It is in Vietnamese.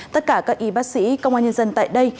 tất cả các y bác sĩ công an nhân dân tại đây